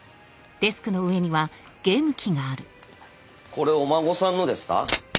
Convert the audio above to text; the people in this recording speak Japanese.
これお孫さんのですか？